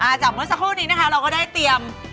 จากเมื่อสักครู่นี้นะคะเราก็ได้เตรียม